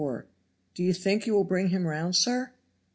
"Do you think you will bring him round, sir?"